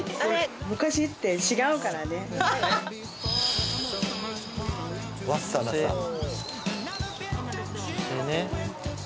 昔って違うからねははは！